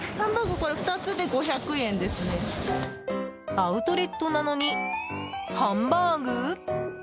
アウトレットなのにハンバーグ？